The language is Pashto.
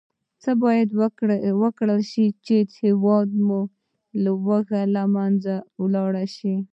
څه باید وکرل شي، چې هېواد کې لوږه له منځه لاړه شي.